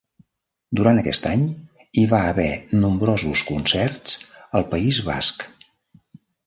Durant aquest any, hi va haver nombrosos concerts al País Basc.